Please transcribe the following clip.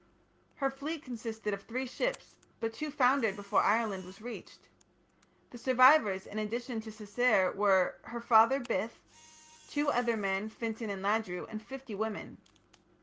Her fleet consisted of three ships, but two foundered before Ireland was reached. The survivors in addition to Cessair were, her father Bith, two other men, Fintan and Ladru, and fifty women.